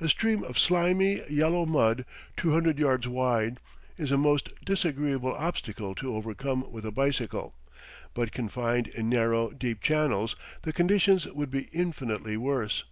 A stream of slimy, yellow mud, two hundred yards wide, is a most disagreeable obstacle to overcome with a bicycle; but confined in narrow, deep channels, the conditions would be infinitely worse.